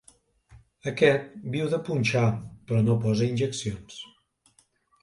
Aquest viu de punxar, però no posa injeccions.